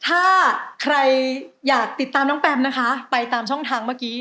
ถ้าใครอยากติดตามน้องแปมนะคะไปตามช่องทางเมื่อกี้